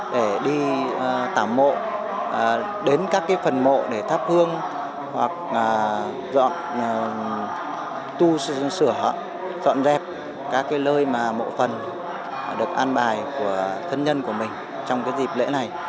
để đi tả mộ đến các phần mộ để thắp hương hoặc dọn tu sửa dọn dẹp các cái lơi mà mộ phần được an bài của thân nhân của mình trong cái dịp lễ này